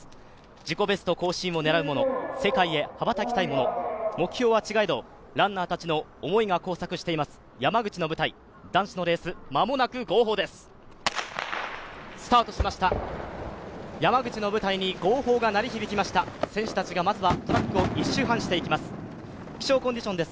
自己ベスト更新を狙う者、世界へ羽ばたきたい者、目標は違えどランナーたちの思いが交錯しています、山口の舞台、男子のレース間もなく号砲です。